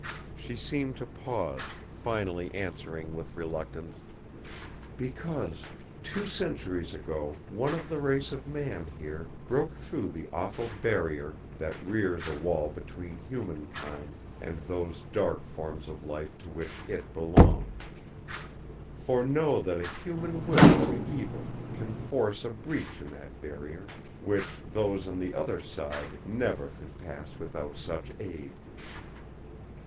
She seemed to pause, finally answering with reluctance: "Because, two centuries ago one of the race of man here broke through the awful Barrier that rears a wall between human kind and those dark forms of life to which It belongs. For know that a human will to evil can force a breach in that Barrier, which those on the other side never could pass without such aid."